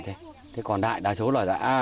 thế còn đại đa số là đã